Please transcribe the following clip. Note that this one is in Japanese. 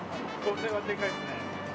これはでかいですね。